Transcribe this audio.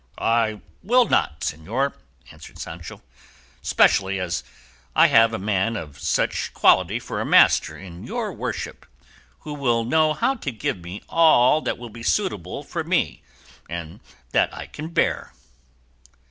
"I will not, señor," answered Sancho, "specially as I have a man of such quality for a master in your worship, who will know how to give me all that will be suitable for me and that I can bear."